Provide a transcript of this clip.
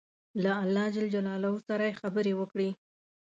له الله جل جلاله سره یې خبرې وکړې.